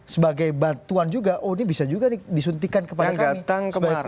sebagai bantuan juga oh ini bisa juga disuntikan kepada kami sebagai kekuatan politik